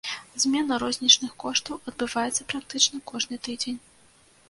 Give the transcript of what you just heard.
Змена рознічных коштаў адбываецца практычна кожны тыдзень.